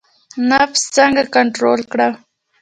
نفس څنګه کنټرول کړو؟